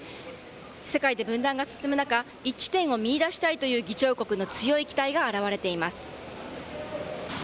世界で分断が進む中、一致点を見いだしたいという議長国の強い期待が現れています。